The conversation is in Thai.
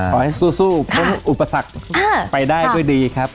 ขอให้สู้พ้นอุปสรรคไปได้ด้วยดีครับ